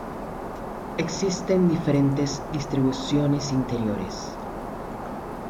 Existen diferentes distribuciones interiores.